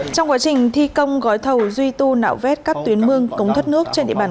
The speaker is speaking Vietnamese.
trong quá trình thi công gói thầu duy tu nạo vét các tuyến mương cống thuất nước trên địa bàn